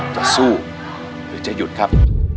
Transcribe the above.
จะสู้หรือจะหยุดครับ